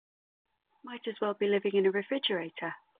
Might as well be living in a refrigerator.